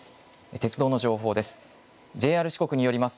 鉄道の情報です。